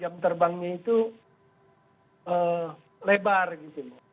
jam terbangnya itu lebar gitu